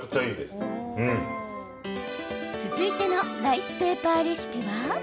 続いてのライスペーパーレシピは。